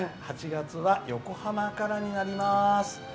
８月は横浜からになります。